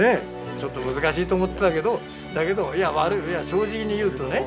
ちょっと難しいと思ってたけどだけど正直に言うとね。